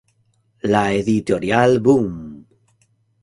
La editorial Boom!